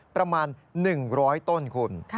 ประมาณหนึ่งร้อยต้นคุณ